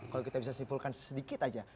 kalau kita bisa simpulkan sedikit aja